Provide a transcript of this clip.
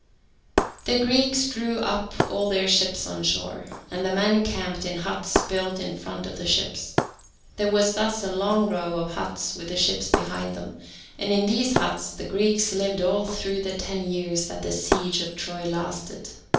The Greeks drew up all their ships on shore, and the men camped in huts built in front of the ships. There was thus a long row of huts with the ships behind them, and in these huts the Greeks lived all through the ten years that the siege of Troy lasted.